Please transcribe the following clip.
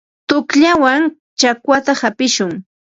Tuqllawan chakwata hapishun.